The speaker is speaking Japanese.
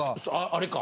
あれか。